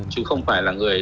chứ không phải là người